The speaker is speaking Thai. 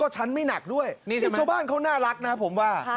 ชาวบ้านเขาน่ารักนะผมว่า